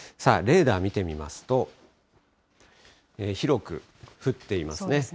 レーダー見てみますと、広く降っていますね。